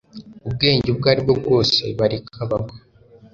Ubwenge ubwo aribwo bwose bareka bagwa